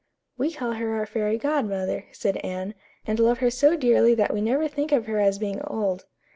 "We call her our fairy godmother," said Anne, "and love her so dearly that we never think of her as being old."